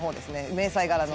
迷彩柄の。